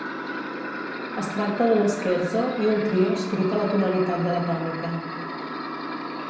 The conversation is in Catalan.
Es tracta d'un scherzo i un trio escrit a la tonalitat de la tònica.